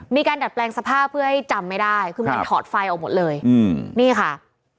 ดัดแปลงสภาพเพื่อให้จำไม่ได้คือมันถอดไฟออกหมดเลยอืมนี่ค่ะ